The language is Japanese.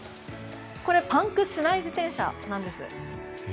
これパンクしない自転車なんです。